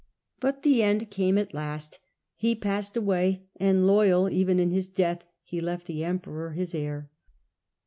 But the end came at last. He passed away, and, loyal even in his death, he left the Emperor his heir.